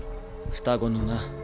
双子のな。